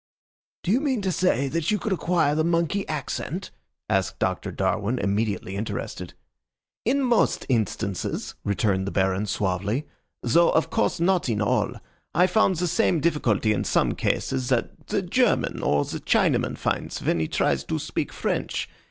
"Do you mean to say that you could acquire the monkey accent?" asked Doctor Darwin, immediately interested. "In most instances," returned the Baron, suavely, "though of course not in all. I found the same difficulty in some cases that the German or the Chinaman finds when he tries to speak French.